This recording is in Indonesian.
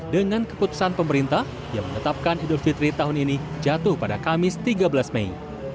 dengan keputusan pemerintah yang menetapkan idul fitri tahun ini jatuh pada kamis tiga belas mei